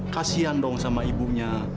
kasian dong sama ibunya